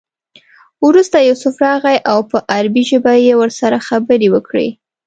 وروسته یوسف راغی او په عبري ژبه یې ورسره خبرې وکړې.